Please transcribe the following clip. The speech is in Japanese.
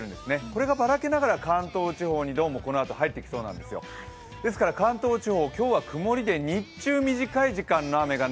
これがばらけながら関東地方にどうもこのあと、入ってきそうですですから、関東地方、今日は曇りで、日中、短い時間の雨が